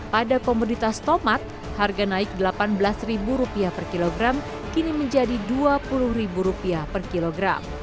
pada komoditas tomat harga naik rp delapan belas per kilogram kini menjadi rp dua puluh per kilogram